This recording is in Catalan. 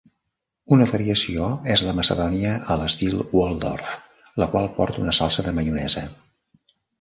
Una variació és la macedònia a l'estil Waldorf, la qual porta una salsa de maionesa.